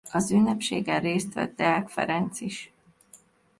Az ünnepségen részt vett Deák Ferenc is.